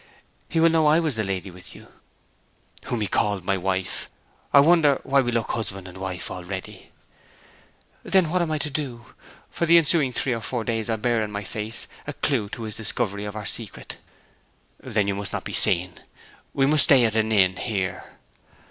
'He will know I was the lady with you!' 'Whom he called my wife. I wonder why we look husband and wife already!' 'Then what am I to do? For the ensuing three or four days I bear in my face a clue to his discovery of our secret.' 'Then you must not be seen. We must stay at an inn here.'